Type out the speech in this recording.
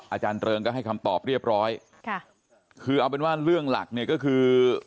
อาจารย์เริงก็ให้คำตอบเรียบร้อยค่ะคือเอาเป็นว่าเรื่องหลักเนี่ยก็คือ